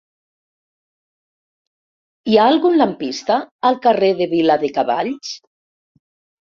Hi ha algun lampista al carrer de Viladecavalls?